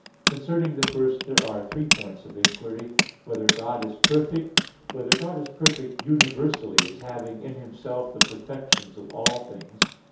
Concerning the first there are three points of inquiry: (1) Whether God is perfect? (2) Whether God is perfect universally, as having in Himself the perfections of all things?